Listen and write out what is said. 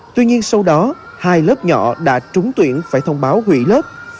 tuy nhiên sau đó hai lớp nhỏ đã trúng tuyển phải thông báo hủy lớp